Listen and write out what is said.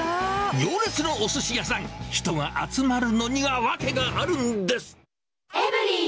行列のおすし屋さん、人が集まるのには訳があるんです。